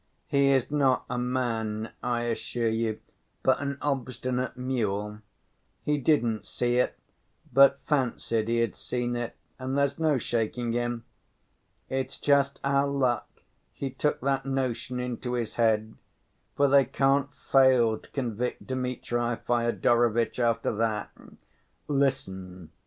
"He is not a man, I assure you, but an obstinate mule. He didn't see it, but fancied he had seen it, and there's no shaking him. It's just our luck he took that notion into his head, for they can't fail to convict Dmitri Fyodorovitch after that." "Listen